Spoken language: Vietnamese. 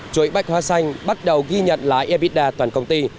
chuỗi bách hóa xanh bắt đầu ghi nhận lại ebitda toàn công ty